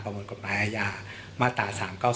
ผิดตามประมวลกฎหมายอาญามาตรา๓๙๒